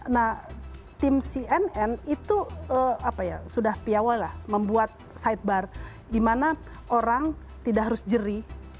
nah tim cnn itu apa ya sudah piawal lah membuat sidebar di mana orang tidak harus jerih